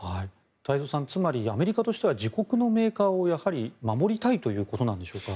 太蔵さん、つまりアメリカとしては自国のメーカーを、やはり守りたいということでしょうか。